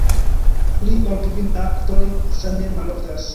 Pli ol kvin aktoj same maloftas.